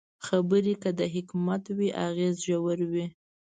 خبرې که د حکمت وي، اغېز ژور وي